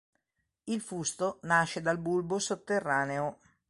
Il fusto nasce dal bulbo sotterraneo.